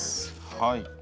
はい。